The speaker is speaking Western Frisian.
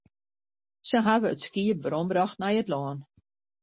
Se hawwe it skiep werombrocht nei it lân.